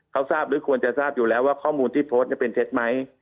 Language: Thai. เขาทราบหรือควรจะทราบอยู่แล้วว่าข้อมูลที่โพสต์เป็นเท็จไหม